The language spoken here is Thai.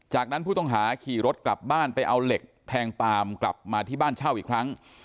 จากนั้นผู้ต้องหาขี่รถกลับบ้านไปเอาเหล็กแทงปาล์มกลับมาที่บ้านเช่าอีกครั้ง